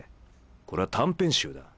これは短編集だ。